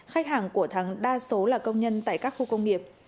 khách hàng của thắng đa số là công nhân tại các khu công nghiệp